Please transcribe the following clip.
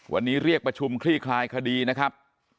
วันนี้เรียกประชุมคลี่คลายคดีนะครับ